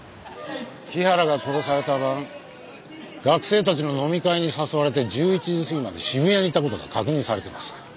日原が殺された晩学生たちの飲み会に誘われて１１時過ぎまで渋谷にいた事が確認されています。